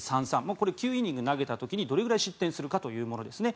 これ、９イニング投げた時にどれぐらい失点するかというものですね。